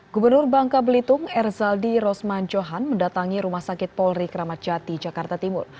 gubernur bangka belitung erzaldi rosman johan mendatangi rumah sakit polri kramatjati jakarta timur